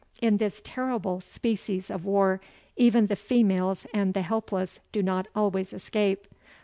In this terrible species of war, even the females and the helpless do not always escape.